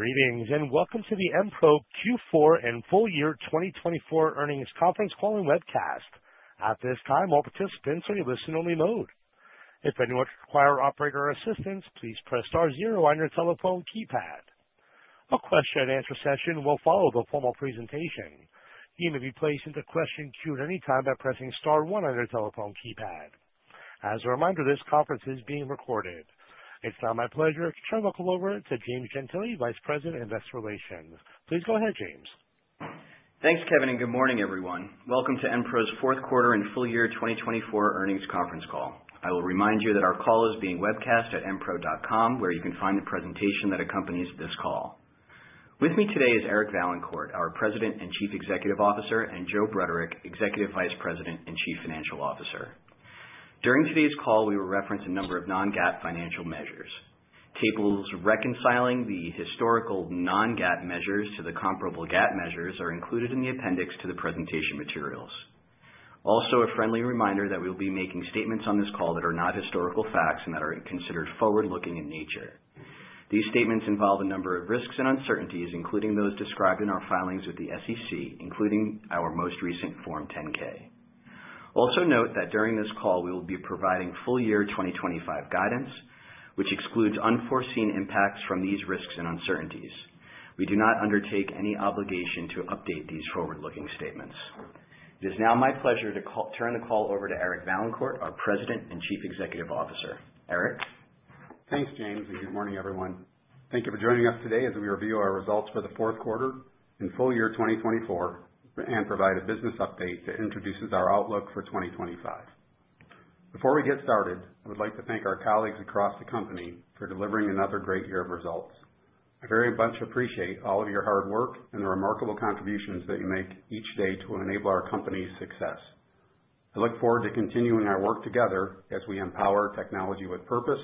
Greetings and welcome to the Enpro Q4 and full year 2024 earnings conference call and webcast. At this time, all participants are in listen-only mode. If anyone requires operator assistance, please press star zero on your telephone keypad. A question-and-answer session will follow the formal presentation. You may be placed into question queue at any time by pressing star one on your telephone keypad. As a reminder, this conference is being recorded. It's now my pleasure to turn the call over to James Gentile, Vice President, Investor Relations. Please go ahead, James. Thanks, Kevin, and good morning, everyone. Welcome to Enpro's fourth quarter and full year 2024 earnings conference call. I will remind you that our call is being webcast at enpro.com, where you can find the presentation that accompanies this call. With me today is Eric Vaillancourt, our President and Chief Executive Officer, and Joe Bruderek, Executive Vice President and Chief Financial Officer. During today's call, we will reference a number of non-GAAP financial measures. Tables reconciling the historical non-GAAP measures to the comparable GAAP measures are included in the appendix to the presentation materials. Also, a friendly reminder that we will be making statements on this call that are not historical facts and that are considered forward-looking in nature. These statements involve a number of risks and uncertainties, including those described in our filings with the SEC, including our most recent Form 10-K. Also note that during this call, we will be providing full year 2025 guidance, which excludes unforeseen impacts from these risks and uncertainties. We do not undertake any obligation to update these forward-looking statements. It is now my pleasure to turn the call over to Eric Vaillancourt, our President and Chief Executive Officer. Eric. Thanks, James, and good morning, everyone. Thank you for joining us today as we review our results for the fourth quarter and full year 2024 and provide a business update that introduces our outlook for 2025. Before we get started, I would like to thank our colleagues across the company for delivering another great year of results. I very much appreciate all of your hard work and the remarkable contributions that you make each day to enable our company's success. I look forward to continuing our work together as we empower technology with purpose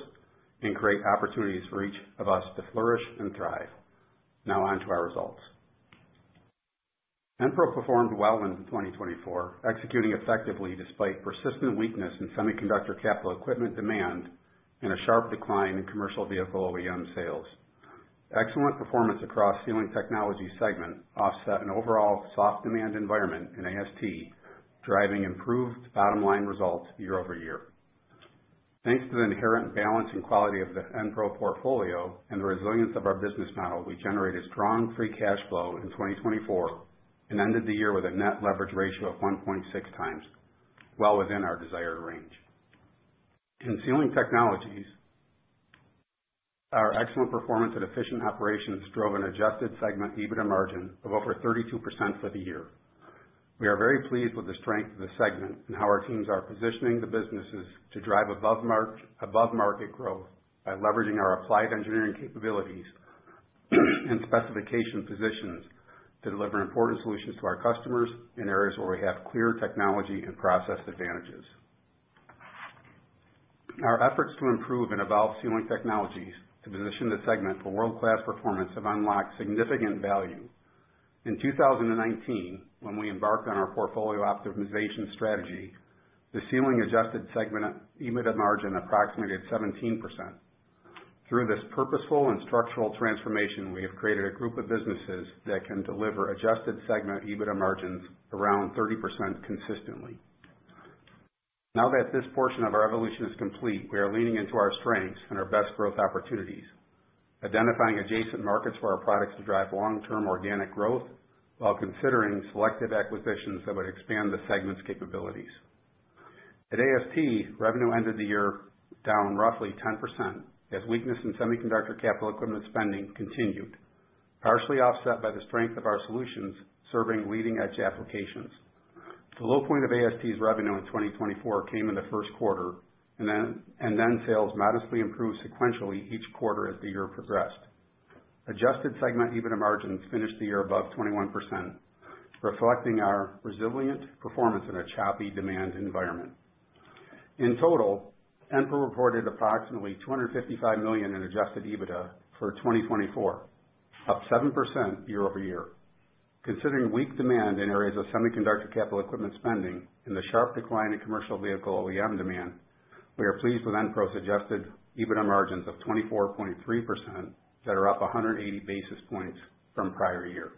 and create opportunities for each of us to flourish and thrive. Now on to our results. Enpro performed well in 2024, executing effectively despite persistent weakness in semiconductor capital equipment demand and a sharp decline in commercial vehicle OEM sales. Excellent performance across the Sealing Technologies segment offset an overall soft demand environment in AST, driving improved bottom line results year-over-year. Thanks to the inherent balance and quality of the Enpro portfolio and the resilience of our business model, we generated strong free cash flow in 2024 and ended the year with a net leverage ratio of 1.6x, well within our desired range. In Sealing Technologies, our excellent performance and efficient operations drove an adjusted segment EBITDA margin of over 32% for the year. We are very pleased with the strength of the segment and how our teams are positioning the businesses to drive above-market growth by leveraging our applied engineering capabilities and specification positions to deliver important solutions to our customers in areas where we have clear technology and process advantages. Our efforts to improve and evolve Sealing Technologies to position the segment for world-class performance have unlocked significant value. In 2019, when we embarked on our portfolio optimization strategy, the Sealing adjusted segment EBITDA margin approximated 17%. Through this purposeful and structural transformation, we have created a group of businesses that can deliver adjusted segment EBITDA margins around 30% consistently. Now that this portion of our evolution is complete, we are leaning into our strengths and our best growth opportunities, identifying adjacent markets for our products to drive long-term organic growth while considering selective acquisitions that would expand the segment's capabilities. At AST, revenue ended the year down roughly 10% as weakness in semiconductor capital equipment spending continued, partially offset by the strength of our solutions serving leading-edge applications. The low point of AST's revenue in 2024 came in the first quarter, and then sales modestly improved sequentially each quarter as the year progressed. Adjusted segment EBITDA margins finished the year above 21%, reflecting our resilient performance in a choppy demand environment. In total, Enpro reported approximately $255 million in adjusted EBITDA for 2024, up 7% year-over-year. Considering weak demand in areas of semiconductor capital equipment spending and the sharp decline in commercial vehicle OEM demand, we are pleased with Enpro's adjusted EBITDA margins of 24.3% that are up 180 basis points from prior year.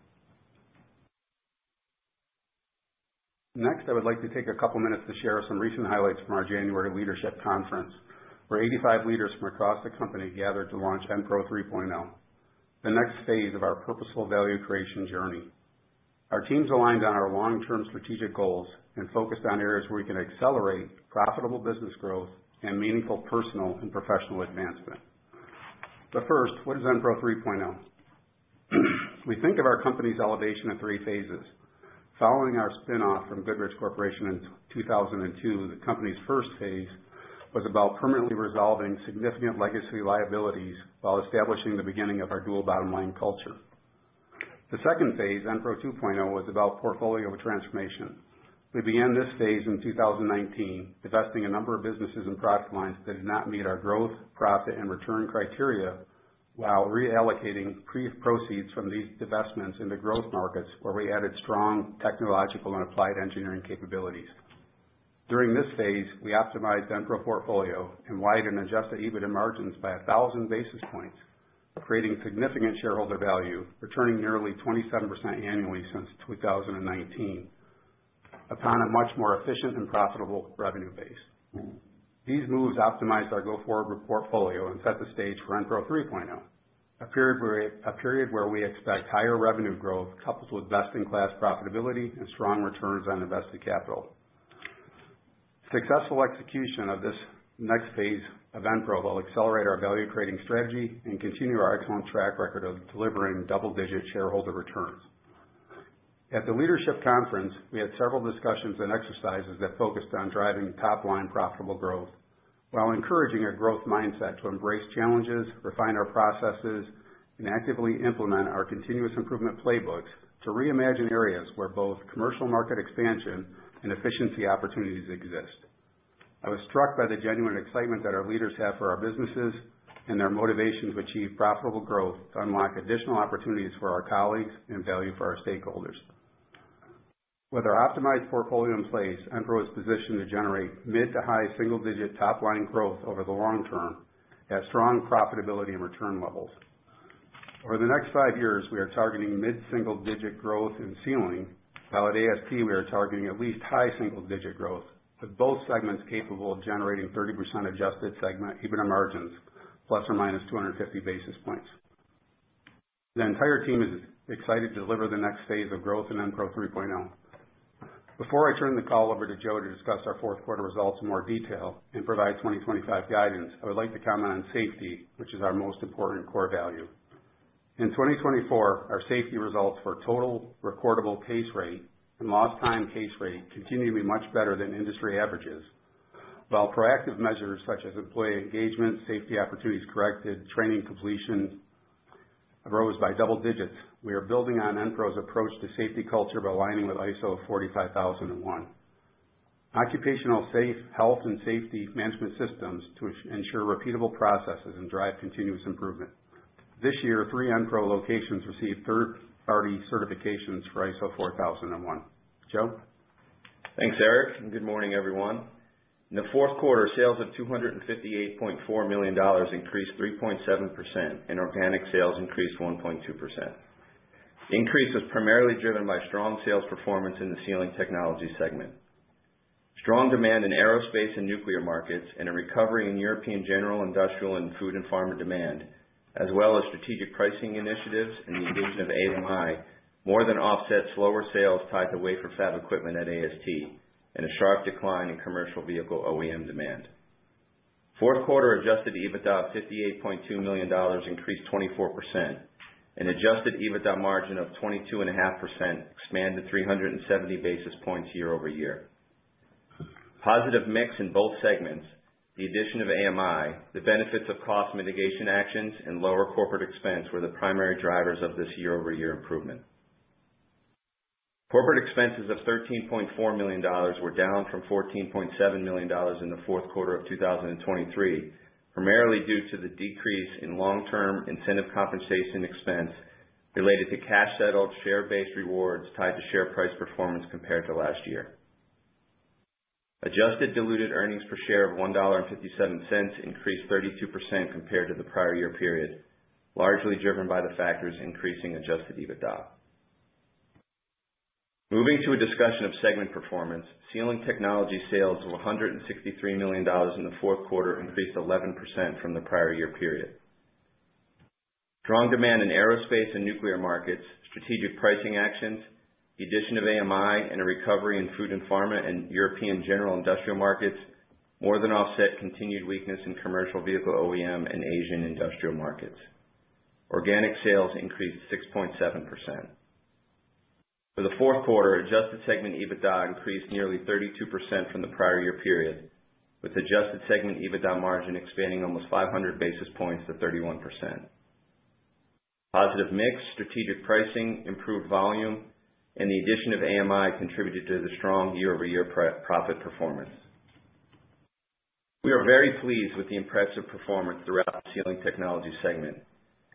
Next, I would like to take a couple of minutes to share some recent highlights from our January leadership conference, where 85 leaders from across the company gathered to launch Enpro 3.0, the next phase of our purposeful value creation journey. Our teams aligned on our long-term strategic goals and focused on areas where we can accelerate profitable business growth and meaningful personal and professional advancement. But first, what is Enpro 3.0? We think of our company's elevation in three phases. Following our spinoff from Goodrich Corporation in 2002, the company's first phase was about permanently resolving significant legacy liabilities while establishing the beginning of our dual bottom line culture. The second phase, Enpro 2.0, was about portfolio transformation. We began this phase in 2019, divesting a number of businesses and product lines that did not meet our growth, profit, and return criteria while reallocating proceeds from these divestments into growth markets where we added strong technological and applied engineering capabilities. During this phase, we optimized Enpro portfolio and widened Adjusted EBITDA margins by 1,000 basis points, creating significant shareholder value, returning nearly 27% annually since 2019, upon a much more efficient and profitable revenue base. These moves optimized our go-forward portfolio and set the stage for Enpro 3.0, a period where we expect higher revenue growth coupled with best-in-class profitability and strong returns on invested capital. Successful execution of this next phase of Enpro will accelerate our value creating strategy and continue our excellent track record of delivering double-digit shareholder returns. At the leadership conference, we had several discussions and exercises that focused on driving top-line profitable growth while encouraging a growth mindset to embrace challenges, refine our processes, and actively implement our continuous improvement playbooks to reimagine areas where both commercial market expansion and efficiency opportunities exist. I was struck by the genuine excitement that our leaders have for our businesses and their motivation to achieve profitable growth to unlock additional opportunities for our colleagues and value for our stakeholders. With our optimized portfolio in place, Enpro is positioned to generate mid to high single-digit top-line growth over the long term at strong profitability and return levels. Over the next five years, we are targeting mid-single-digit growth in Sealing. While at AST, we are targeting at least high single-digit growth, with both segments capable of generating 30% adjusted segment EBITDA margins, plus or minus 250 basis points. The entire team is excited to deliver the next phase of growth in Enpro 3.0. Before I turn the call over to Joe to discuss our fourth quarter results in more detail and provide 2025 guidance, I would like to comment on safety, which is our most important core value. In 2024, our safety results for total recordable case rate and lost time case rate continue to be much better than industry averages. While proactive measures such as employee engagement, safety opportunities corrected, and training completion rose by double digits, we are building on Enpro's approach to safety culture by aligning with ISO 45001, occupational health and safety management systems to ensure repeatable processes and drive continuous improvement. This year, three Enpro locations received third-party certifications for ISO 14001. Joe? Thanks, Eric. Good morning, everyone. In the fourth quarter, sales of $258.4 million increased 3.7%, and organic sales increased 1.2%. The increase was primarily driven by strong sales performance in the Sealing Technologies segment. Strong demand in aerospace and nuclear markets and a recovery in European general industrial and food and pharma demand, as well as strategic pricing initiatives and the inclusion of AMI, more than offset slower sales tied to wafer fab equipment at AST and a sharp decline in commercial vehicle OEM demand. Fourth quarter adjusted EBITDA of $58.2 million increased 24%. An adjusted EBITDA margin of 22.5% expanded 370 basis points year-over-year. Positive mix in both segments, the addition of AMI, the benefits of cost mitigation actions, and lower corporate expense were the primary drivers of this year-over-year improvement. Corporate expenses of $13.4 million were down from $14.7 million in the fourth quarter of 2023, primarily due to the decrease in long-term incentive compensation expense related to cash settled share-based rewards tied to share price performance compared to last year. Adjusted diluted earnings per share of $1.57 increased 32% compared to the prior year period, largely driven by the factors increasing Adjusted EBITDA. Moving to a discussion of segment performance, Sealing Technologies sales of $163 million in the fourth quarter increased 11% from the prior year period. Strong demand in aerospace and nuclear markets, strategic pricing actions, the addition of AMI, and a recovery in food and pharma and European general industrial markets more than offset continued weakness in commercial vehicle OEM and Asian industrial markets. Organic sales increased 6.7%. For the fourth quarter, adjusted segment EBITDA increased nearly 32% from the prior year period, with adjusted segment EBITDA margin expanding almost 500 basis points to 31%. Positive mix, strategic pricing, improved volume, and the addition of AMI contributed to the strong year-over-year profit performance. We are very pleased with the impressive performance throughout the Sealing Technologies segment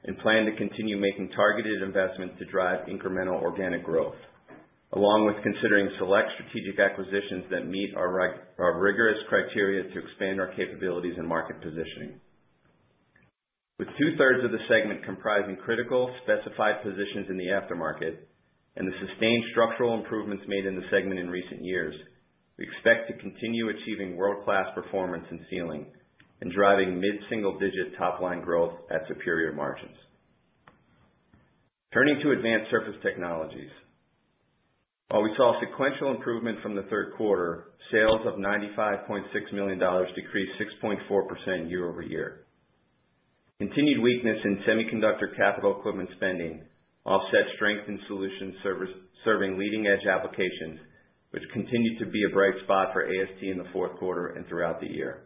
and plan to continue making targeted investments to drive incremental organic growth, along with considering select strategic acquisitions that meet our rigorous criteria to expand our capabilities and market positioning. With two-thirds of the segment comprising critical specified positions in the aftermarket and the sustained structural improvements made in the segment in recent years, we expect to continue achieving world-class performance in sealing and driving mid-single-digit top-line growth at superior margins. Turning to Advanced Surface Technologies, while we saw sequential improvement from the third quarter, sales of $95.6 million decreased 6.4% year over year. Continued weakness in semiconductor capital equipment spending offset strength in solutions serving leading-edge applications, which continued to be a bright spot for AST in the fourth quarter and throughout the year.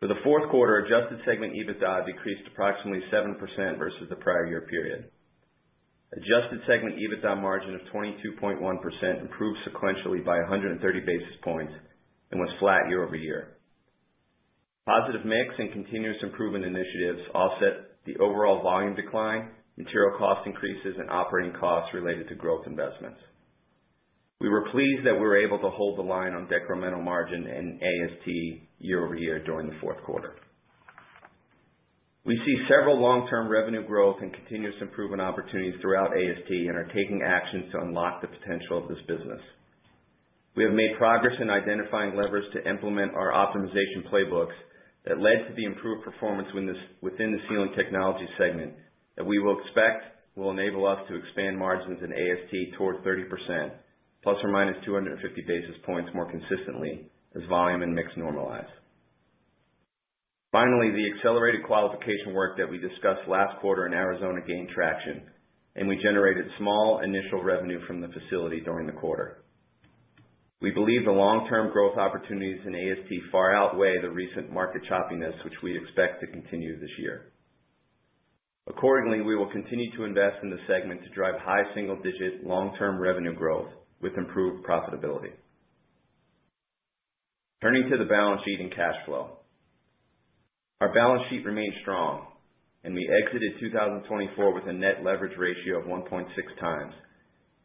For the fourth quarter, adjusted segment EBITDA decreased approximately 7% versus the prior year period. Adjusted segment EBITDA margin of 22.1% improved sequentially by 130 basis points and was flat year-over-year. Positive mix and continuous improvement initiatives offset the overall volume decline, material cost increases, and operating costs related to growth investments. We were pleased that we were able to hold the line on decremental margin in AST year over year during the fourth quarter. We see several long-term revenue growth and continuous improvement opportunities throughout AST and are taking actions to unlock the potential of this business. We have made progress in identifying levers to implement our optimization playbooks that led to the improved performance within the Sealing Technologies segment that we will expect will enable us to expand margins in AST toward 30%, plus or minus 250 basis points more consistently as volume and mix normalize. Finally, the accelerated qualification work that we discussed last quarter in Arizona gained traction, and we generated small initial revenue from the facility during the quarter. We believe the long-term growth opportunities in AST far outweigh the recent market choppiness, which we expect to continue this year. Accordingly, we will continue to invest in the segment to drive high single-digit long-term revenue growth with improved profitability. Turning to the balance sheet and cash flow, our balance sheet remained strong, and we exited 2024 with a net leverage ratio of 1.6x,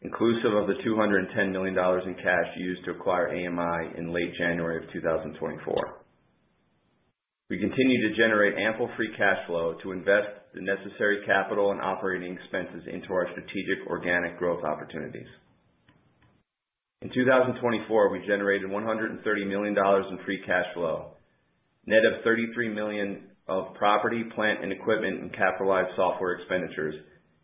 inclusive of the $210 million in cash used to acquire AMI in late January of 2024. We continue to generate ample free cash flow to invest the necessary capital and operating expenses into our strategic organic growth opportunities. In 2024, we generated $130 million in free cash flow, net of $33 million of property, plant, and equipment and capitalized software expenditures,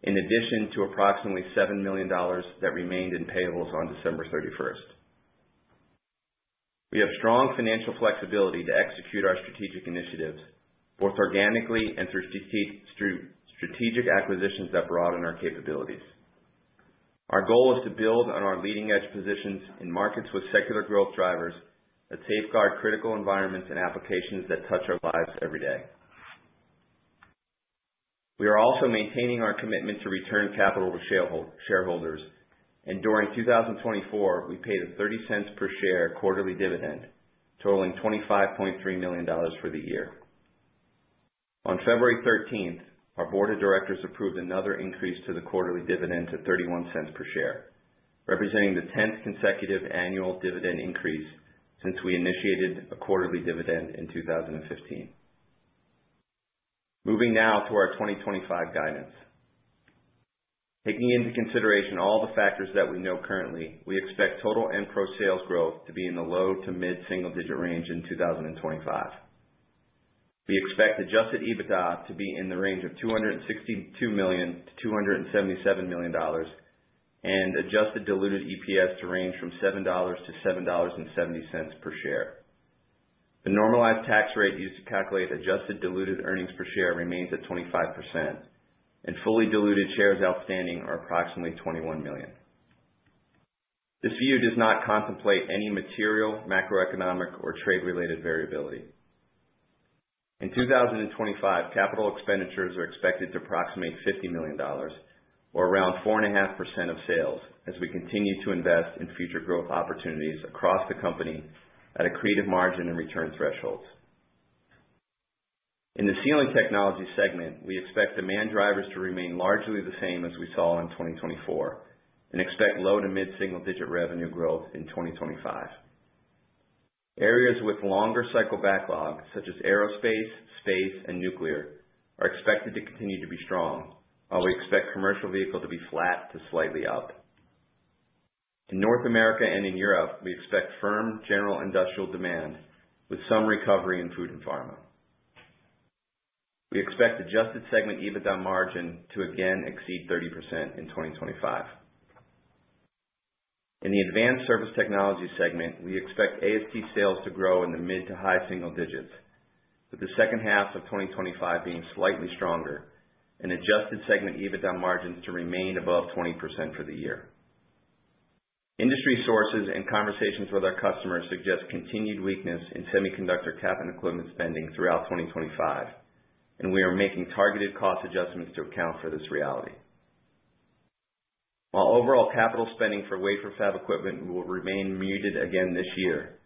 in addition to approximately $7 million that remained in payables on December 31st. We have strong financial flexibility to execute our strategic initiatives both organically and through strategic acquisitions that broaden our capabilities. Our goal is to build on our leading-edge positions in markets with secular growth drivers that safeguard critical environments and applications that touch our lives every day. We are also maintaining our commitment to return capital to shareholders, and during 2024, we paid a $0.30 per share quarterly dividend, totaling $25.3 million for the year. On February 13th, our board of directors approved another increase to the quarterly dividend to $0.31 per share, representing the 10th consecutive annual dividend increase since we initiated a quarterly dividend in 2015. Moving now to our 2025 guidance. Taking into consideration all the factors that we know currently, we expect total Enpro sales growth to be in the low to mid-single-digit range in 2025. We expect adjusted EBITDA to be in the range of $262 million-$277 million and adjusted diluted EPS to range from $7-$7.70 per share. The normalized tax rate used to calculate adjusted diluted earnings per share remains at 25%, and fully diluted shares outstanding are approximately 21 million. This view does not contemplate any material, macroeconomic, or trade-related variability. In 2025, capital expenditures are expected to approximate $50 million, or around 4.5% of sales, as we continue to invest in future growth opportunities across the company at accretive margin and return thresholds. In the Sealing Technologies segment, we expect demand drivers to remain largely the same as we saw in 2024 and expect low- to mid-single-digit revenue growth in 2025. Areas with longer cycle backlog, such as aerospace, space, and nuclear, are expected to continue to be strong, while we expect commercial vehicle to be flat to slightly up. In North America and in Europe, we expect firm general industrial demand with some recovery in food and pharma. We expect adjusted segment EBITDA margin to again exceed 30% in 2025. In the Advanced Surface Technologies segment, we expect AST sales to grow in the mid to high single digits, with the second half of 2025 being slightly stronger and adjusted segment EBITDA margins to remain above 20% for the year. Industry sources and conversations with our customers suggest continued weakness in semiconductor capital equipment spending throughout 2025, and we are making targeted cost adjustments to account for this reality. While overall capital spending for wafer fab equipment will remain muted again this year,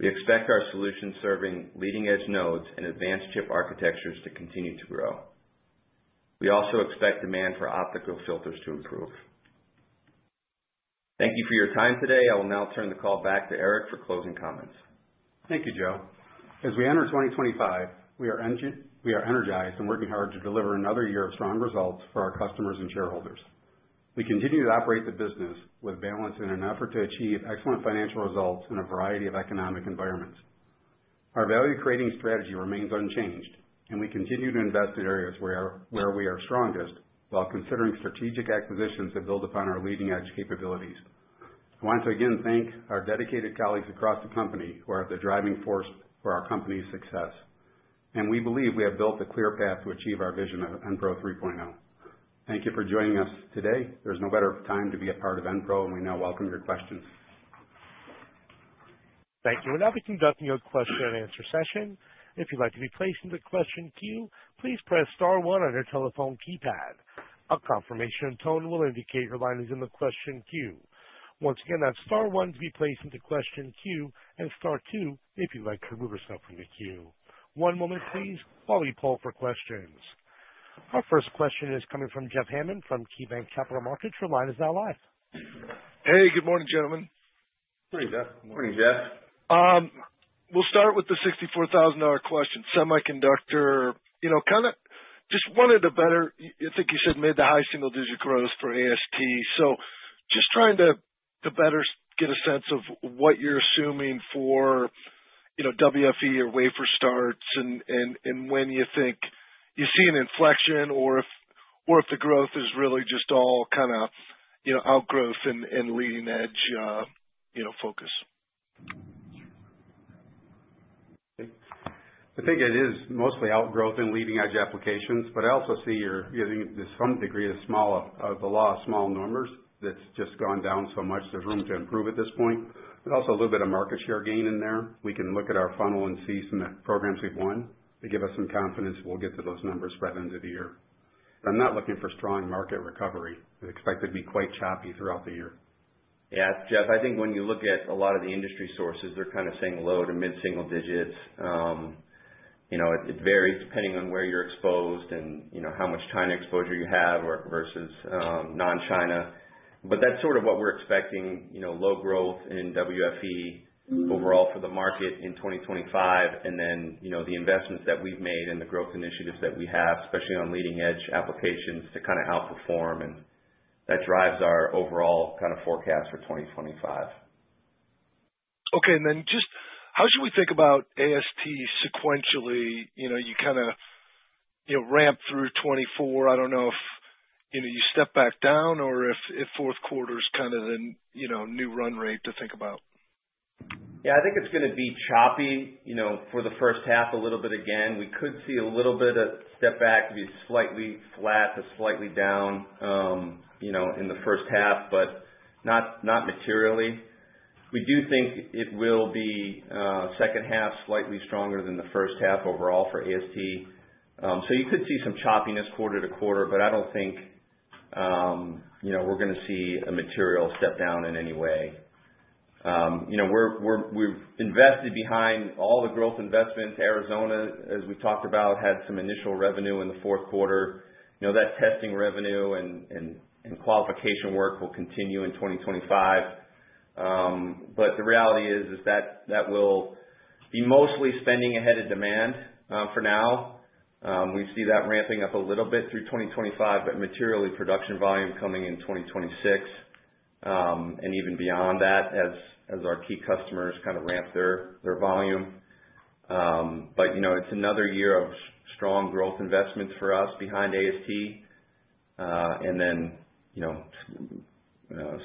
we expect our solutions serving leading-edge nodes and advanced chip architectures to continue to grow. We also expect demand for optical filters to improve. Thank you for your time today. I will now turn the call back to Eric for closing comments. Thank you, Joe. As we enter 2025, we are energized and working hard to deliver another year of strong results for our customers and shareholders. We continue to operate the business with balance in an effort to achieve excellent financial results in a variety of economic environments. Our value-creating strategy remains unchanged, and we continue to invest in areas where we are strongest while considering strategic acquisitions that build upon our leading-edge capabilities. I want to again thank our dedicated colleagues across the company who are the driving force for our company's success, and we believe we have built a clear path to achieve our vision of Enpro 3.0. Thank you for joining us today. There's no better time to be a part of Enpro, and we now welcome your questions. Thank you. And now we can dive into your question and answer session. If you'd like to be placed into the question queue, please press star one on your telephone keypad. A confirmation tone will indicate your line is in the question queue. Once again, that's star one to be placed into question queue and star two if you'd like to remove yourself from the queue. One moment, please, while we pull for questions. Our first question is coming from Jeffrey Hammond from KeyBanc Capital Markets. Your line is now live. Hey, good morning, gentlemen. Good morning, Jeff. Good morning, Jeff. We'll start with the $64,000 question. Semiconductor, you know, kind of just wanted a better, I think you said made the high single-digit growth for AST. So just trying to better get a sense of what you're assuming for WFE or wafer starts and when you think you see an inflection or if the growth is really just all kind of outgrowth and leading-edge focus. I think it is mostly outgrowth and leading-edge applications, but I also see you're getting to some degree, the law of small numbers that's just gone down so much. There's room to improve at this point. There's also a little bit of market share gain in there. We can look at our funnel and see some programs we've won. They give us some confidence. We'll get to those numbers by the end of the year. I'm not looking for strong market recovery. We expect it to be quite choppy throughout the year. Yeah, Jeff, I think when you look at a lot of the industry sources, they're kind of saying low to mid-single digits. It varies depending on where you're exposed and how much China exposure you have versus non-China. But that's sort of what we're expecting, low growth in WFE overall for the market in 2025, and then the investments that we've made and the growth initiatives that we have, especially on leading-edge applications to kind of outperform. That drives our overall kind of forecast for 2025. Okay. And then just how should we think about AST sequentially? You kind of ramp through 2024. I don't know if you step back down or if fourth quarter is kind of the new run rate to think about. Yeah, I think it's going to be choppy for the first half a little bit again. We could see a little bit of step back to be slightly flat to slightly down in the first half, but not materially. We do think it will be second half slightly stronger than the first half overall for AST. So you could see some choppiness quarter to quarter, but I don't think we're going to see a material step down in any way. We've invested behind all the growth investments. Arizona, as we talked about, had some initial revenue in the fourth quarter. That testing revenue and qualification work will continue in 2025. But the reality is that that will be mostly spending ahead of demand for now. We see that ramping up a little bit through 2025, but materially production volume coming in 2026 and even beyond that as our key customers kind of ramp their volume, but it's another year of strong growth investments for us behind AST and then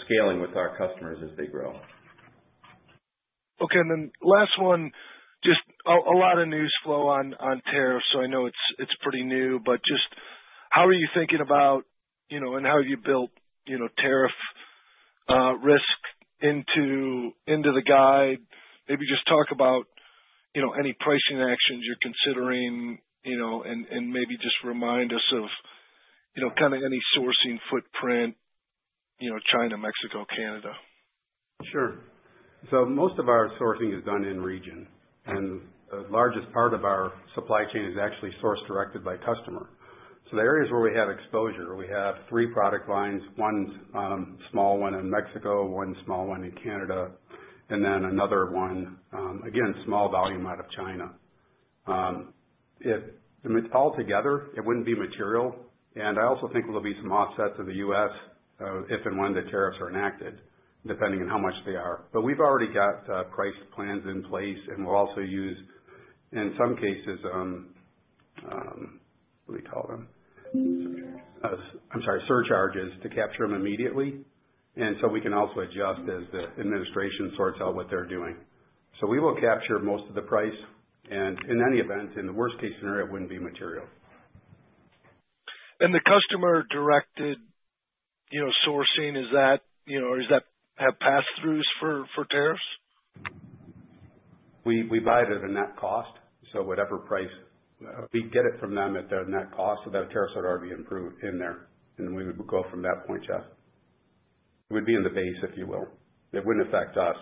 scaling with our customers as they grow. Okay, and then last one, just a lot of news flow on tariffs, so I know it's pretty new, but just how are you thinking about and how have you built tariff risk into the guide? Maybe just talk about any pricing actions you're considering, and maybe just remind us of kind of any sourcing footprint, China, Mexico, Canada. Sure. So most of our sourcing is done in region, and the largest part of our supply chain is actually source-directed by customer. So the areas where we have exposure, we have three product lines: one small one in Mexico, one small one in Canada, and then another one, again, small volume out of China. If it's all together, it wouldn't be material. And I also think there'll be some offsets in the U.S. if and when the tariffs are enacted, depending on how much they are. But we've already got price plans in place, and we'll also use, in some cases, what do you call them? I'm sorry, surcharges to capture them immediately. And so we can also adjust as the administration sorts out what they're doing. So we will capture most of the price, and in any event, in the worst-case scenario, it wouldn't be material. The customer-directed sourcing, is that have pass-throughs for tariffs? We buy it at a net cost. So whatever price, we get it from them at their net cost, so that tariffs would already be approved in there, and we would go from that point, Jeffrey. It would be in the base, if you will. It wouldn't affect us.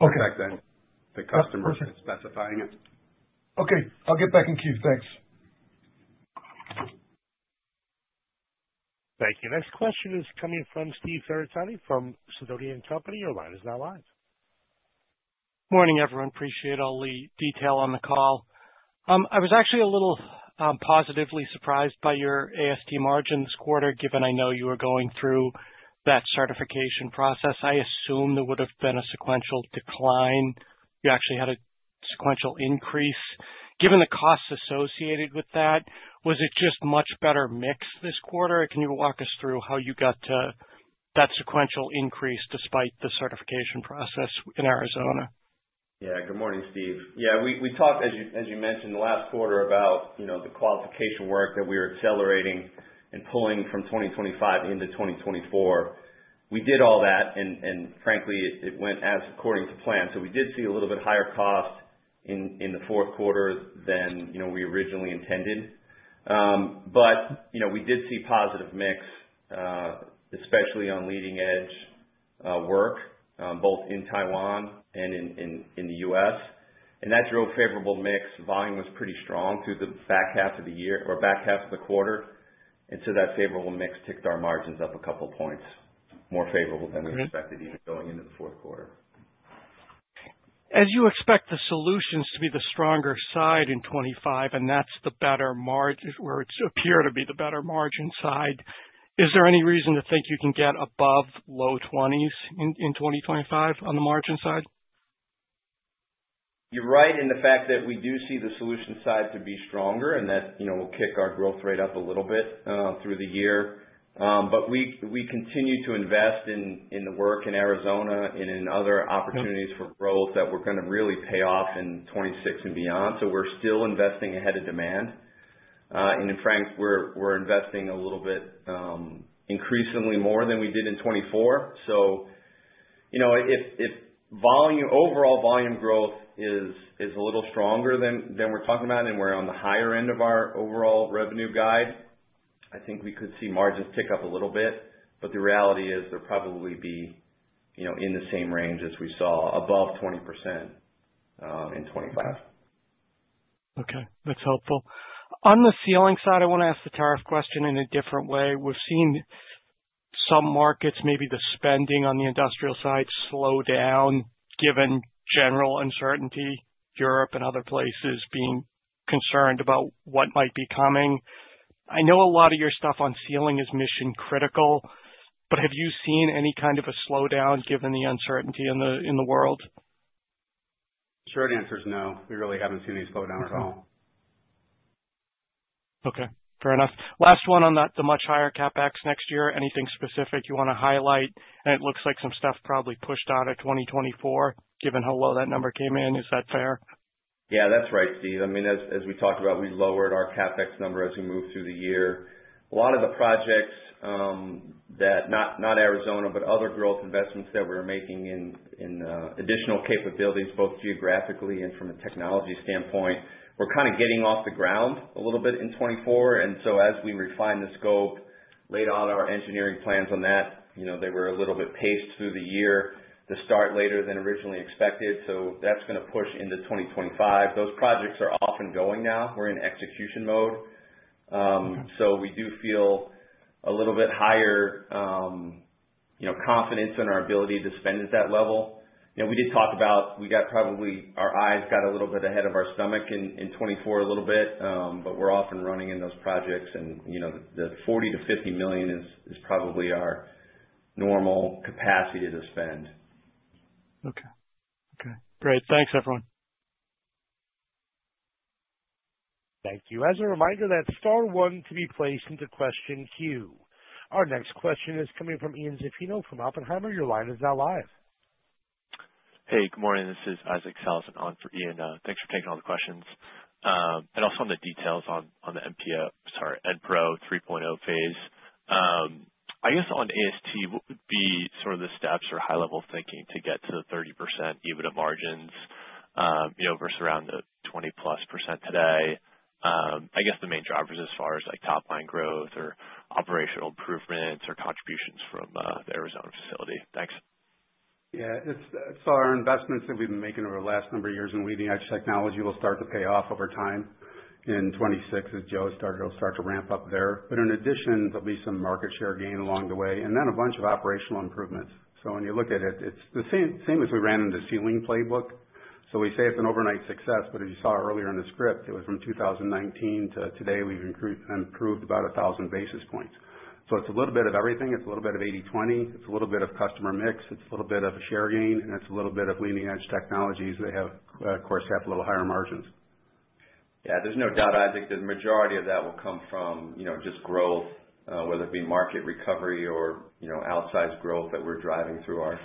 Okay. The customer is specifying it. Okay. I'll get back in queue. Thanks. Thank you. Next question is coming from Stephen Ferazani from Sidoti & Company. Your line is now live. Morning, everyone. Appreciate all the detail on the call. I was actually a little positively surprised by your AST margin this quarter, given I know you were going through that certification process. I assume there would have been a sequential decline. You actually had a sequential increase. Given the costs associated with that, was it just much better mix this quarter? Can you walk us through how you got to that sequential increase despite the certification process in Arizona? Yeah. Good morning, Stephen. Yeah, we talked, as you mentioned, the last quarter about the qualification work that we were accelerating and pulling from 2025 into 2024. We did all that, and frankly, it went according to plan. So we did see a little bit higher cost in the fourth quarter than we originally intended. But we did see positive mix, especially on leading-edge work, both in Taiwan and in the US. And that drove favorable mix. Volume was pretty strong through the back half of the year or back half of the quarter. And so that favorable mix ticked our margins up a couple of points, more favorable than we expected even going into the fourth quarter. As you expect the solutions to be the stronger side in 2025, and that's the better margin where it appeared to be the better margin side, is there any reason to think you can get above low 20s in 2025 on the margin side? You're right in the fact that we do see the solution side to be stronger and that will kick our growth rate up a little bit through the year. But we continue to invest in the work in Arizona and in other opportunities for growth that will kind of really pay off in 2026 and beyond. So we're still investing ahead of demand. And in fact, we're investing a little bit increasingly more than we did in 2024. So if overall volume growth is a little stronger than we're talking about and we're on the higher end of our overall revenue guide, I think we could see margins tick up a little bit. But the reality is there'll probably be in the same range as we saw, above 20% in 2025. Okay. That's helpful. On the Sealing side, I want to ask the tariff question in a different way. We've seen some markets, maybe the spending on the industrial side, slow down given general uncertainty, Europe and other places being concerned about what might be coming. I know a lot of your stuff on Sealing is mission-critical, but have you seen any kind of a slowdown given the uncertainty in the world? Short answer is no. We really haven't seen any slowdown at all. Okay. Fair enough. Last one on the much higher CapEx next year. Anything specific you want to highlight? And it looks like some stuff probably pushed out of 2024, given how low that number came in. Is that fair? Yeah, that's right, Stephen. I mean, as we talked about, we lowered our CapEx number as we moved through the year. A lot of the projects that, not Arizona, but other growth investments that we're making in additional capabilities, both geographically and from a technology standpoint, we're kind of getting off the ground a little bit in 2024. And so as we refine the scope, laid out our engineering plans on that, they were a little bit paced through the year to start later than originally expected. So that's going to push into 2025. Those projects are off and running now. We're in execution mode. So we do feel a little bit higher confidence in our ability to spend at that level. We did talk about we got probably our eyes got a little bit ahead of our stomach in 2024 a little bit, but we're off and running in those projects. The $40 million-$50 million is probably our normal capacity to spend. Okay. Okay. Great. Thanks, everyone. Thank you. As a reminder, press star one to be placed into the question queue. Our next question is coming from Ian Zaffino from Oppenheimer. Your line is now live. Hey, good morning. This is Isaac Sellhausen on for Ian. Thanks for taking all the questions. And also on the details on the Enpro, sorry, Enpro 3.0 phase. I guess on AST, what would be sort of the steps or high-level thinking to get to the 30% EBITDA margins versus around the 20-plus% today? I guess the main drivers as far as top-line growth or operational improvements or contributions from the Arizona facility. Thanks. Yeah. So our investments that we've been making over the last number of years in leading-edge technology will start to pay off over time. In 2026, as Joe started, it'll start to ramp up there. But in addition, there'll be some market share gain along the way, and then a bunch of operational improvements. So when you look at it, it's the same as we ran in the Sealing playbook. So we say it's an overnight success, but as you saw earlier in the script, it was from 2019 to today, we've improved about 1,000 basis points. So it's a little bit of everything. It's a little bit of 80/20. It's a little bit of customer mix. It's a little bit of a share gain, and it's a little bit of leading-edge technologies that have, of course, a little higher margins. Yeah. There's no doubt, Isaac, that the majority of that will come from just growth, whether it be market recovery or outsized growth that we're driving through our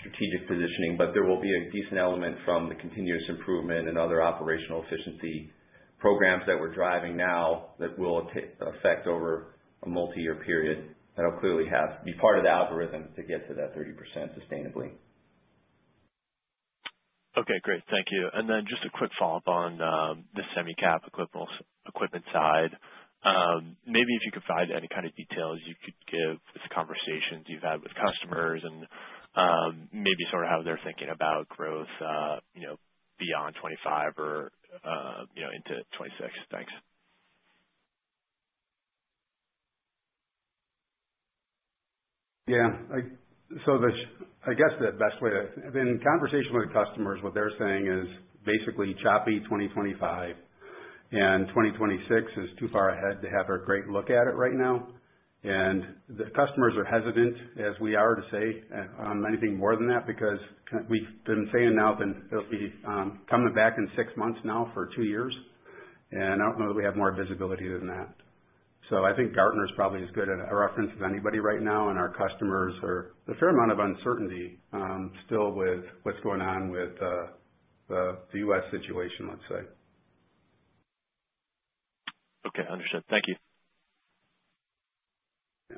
strategic positioning. But there will be a decent element from the continuous improvement and other operational efficiency programs that we're driving now that will affect over a multi-year period. That'll clearly be part of the algorithm to get to that 30% sustainably. Okay. Great. Thank you. And then just a quick follow-up on the semi-cap equipment side. Maybe if you could provide any kind of details you could give this conversation you've had with customers and maybe sort of how they're thinking about growth beyond 2025 or into 2026? Thanks. Yeah. So I guess the best way, in conversation with customers, what they're saying is basically choppy 2025, and 2026 is too far ahead to have a great look at it right now. And the customers are hesitant, as we are, to say anything more than that because we've been saying now that they'll be coming back in six months now for two years. And I don't know that we have more visibility than that. So I think Gartner is probably as good a reference as anybody right now. And our customers are a fair amount of uncertainty still with what's going on with the U.S. situation, let's say. Okay. Understood. Thank you. Yeah.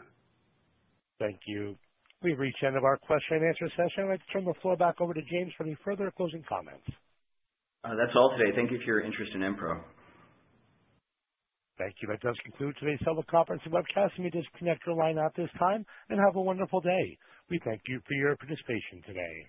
Thank you. We've reached the end of our question-and-answer session. I'd like to turn the floor back over to James for any further closing comments. That's all today. Thank you for your interest in Enpro. Thank you. That does conclude today's teleconference and webcast. We disconnect your line at this time and have a wonderful day. We thank you for your participation today.